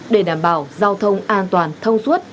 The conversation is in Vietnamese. để đảm bảo giao thông an toàn thông suốt